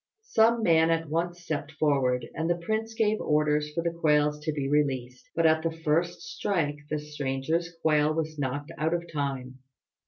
Some man at once stepped forward, and the prince gave orders for the quails to be released; but at the first strike the stranger's quail was knocked out of time.